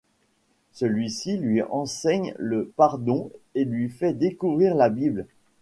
Celui-ci lui enseigne le pardon et lui fait découvrir la Bible.